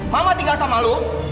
mama tinggal sama lu